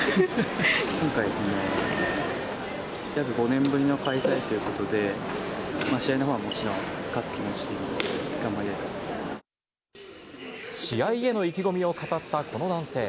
今回、約５年ぶりの開催ということで、試合のほうはもちろん勝つ気持ちといいますか、頑張りたいと思い試合への意気込みを語ったこの男性。